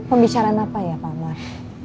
pembicaraan apa ya pak mars